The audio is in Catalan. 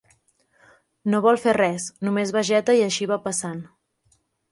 No vol fer res: només vegeta i així va passant.